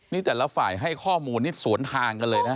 นี่แต่ละฝ่ายให้ข้อมูลนี่สวนทางกันเลยนะ